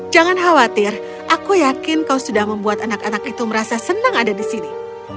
jangan khawatir aku yakin kau sudah membuat anak anak itu merasa senang ada di sini